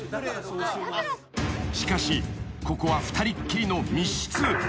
［しかしここは二人っきりの密室］